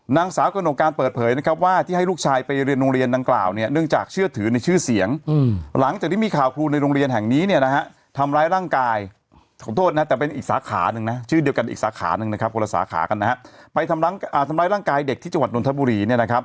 นางสาวกำลังการเปิดเผยนะครับว่าที่ให้ลูกชายไปเรียนโรงเรียนนางกล่าวเนี่ย